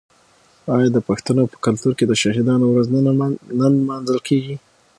آیا د پښتنو په کلتور کې د شهیدانو ورځ نه لمانځل کیږي؟